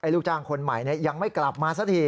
ลูกจ้างคนใหม่ยังไม่กลับมาสักที